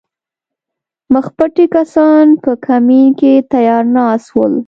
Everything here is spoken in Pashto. مخپټي کسان په کمین کې تیار ناست ول